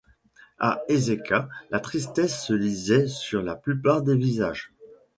A Eséka, la tristesse se lisait sur la plupart des visages.